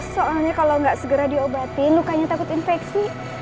soalnya kalo gak segera diobatin lukanya takut infeksi